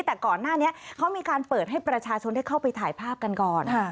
แต่ก่อนหน้านี้เขามีการเปิดให้ประชาชนได้เข้าไปถ่ายภาพกันก่อน